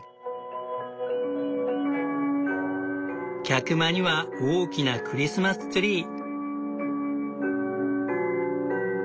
客間には大きなクリスマスツリー。